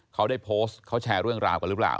เขาได้โพสต์เขาแชร์เรื่องราวกันหรือเปล่า